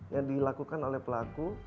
yang dilakukan oleh pelaku